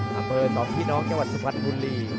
อำเมิดต่อพี่น้องจังหวัดสวัสดิ์บุรี